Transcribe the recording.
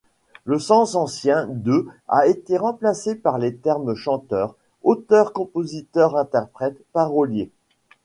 Le sens ancien de a été remplacé par les termes chanteur, auteur-compositeur-interprète, parolier.